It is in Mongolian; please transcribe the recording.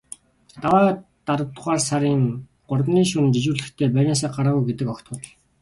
Даваа аравдугаар сарын гуравны шөнө жижүүрлэхдээ байрнаасаа гараагүй гэдэг огт худал.